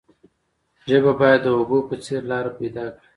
ژبه باید د اوبو په څیر لاره پیدا کړي.